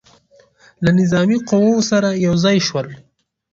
له نظامي قواوو سره یو ځای شول.